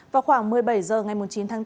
vào khoảng một mươi bảy h ngày chín tháng bốn